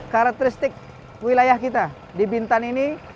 karakteristik wilayah kita di bintan ini